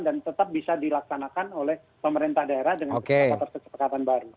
dan tetap bisa dilaksanakan oleh pemerintah daerah dengan persatuan baru